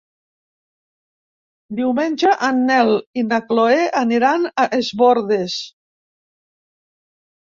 Diumenge en Nel i na Chloé aniran a Es Bòrdes.